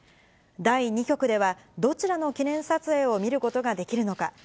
第２局では、どちらの記念撮影を見ることができるのか。